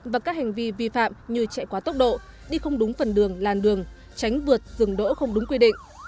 và các hành vi vi phạm như chạy quá tốc độ đi không đúng phần đường làn đường tránh vượt dừng đỗ không đúng quy định